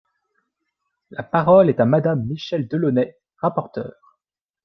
La parole est à Madame Michèle Delaunay, rapporteure.